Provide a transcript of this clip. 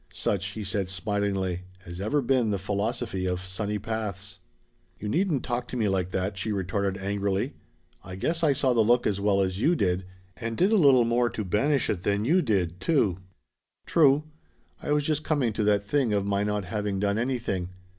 "Such," he said smilingly, "has ever been the philosophy of sunny paths." "You needn't talk to me like that!" she retorted angrily. "I guess I saw the look as well as you did and did a little more to banish it than you did, too." "True. I was just coming to that thing of my not having done anything.